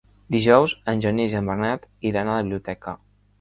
Dijous en Genís i en Bernat iran a la biblioteca.